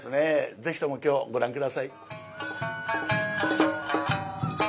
ぜひとも今日ご覧下さい。